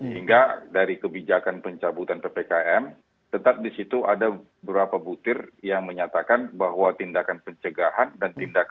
hingga dari kebijakan pencabutan ppkm tetap di situ ada beberapa butir yang menyatakan bahwa tindakan pencegahan dan tindakan